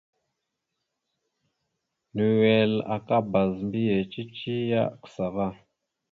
Nʉwel aka bazə mbiyez cici ya kəsa ava.